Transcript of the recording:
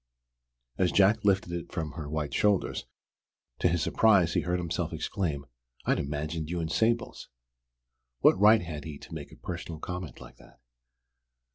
As Jack lifted it from her white shoulders, to his surprise he heard himself exclaim, "I'd imagined you in sables." (What right had he to make a "personal" comment like that?)